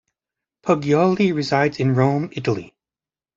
Poggioli resides in Rome, Italy.